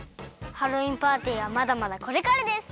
ハロウィーンパーティーはまだまだこれからです！